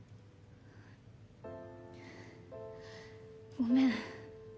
ごめん。